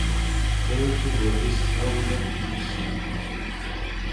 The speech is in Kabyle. Frant ugur-nni s tɣawla n wusem.